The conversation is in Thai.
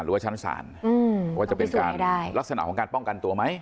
หรือว่าชั้นศาลว่าจะเป็นการลักษณะของการป้องกันตัวไหม